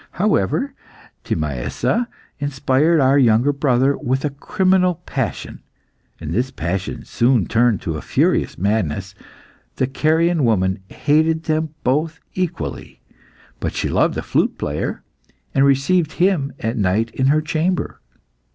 However, Timaessa inspired our younger brother with a criminal passion, and this passion soon turned to a furious madness. The Carian woman hated them both equally; but she loved a flute player, and received him at night in her chamber.